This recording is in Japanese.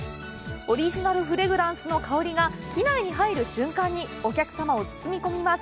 オリジナルフレグランスの香りが、機内に入る瞬間にお客様を包み込みます。